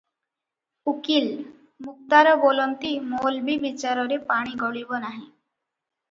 ଉକୀଲ, ମୁକ୍ତାର ବୋଲନ୍ତି ମୌଲବୀ ବିଚାରରେ ପାଣି ଗଳିବ ନାହିଁ ।